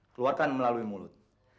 keluarkan melalui mulut